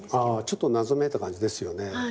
ちょっと謎めいた感じですよね。